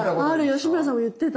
吉村さんも言ってた。